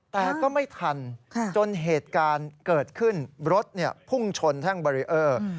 แต่ก็ไม่ทันจนเหตุการณ์เกิดขึ้นรถพุ่งชนแท่งบารีเออร์